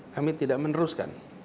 kami tidak meneruskan